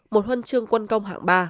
một huân chương quân công hạng ba